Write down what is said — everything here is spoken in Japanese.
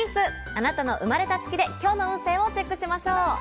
あなたの生まれた月で今日の運勢をチェックしましょう。